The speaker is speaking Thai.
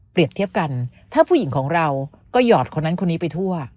เทียบกันถ้าผู้หญิงของเราก็หยอดคนนั้นคนนี้ไปทั่ว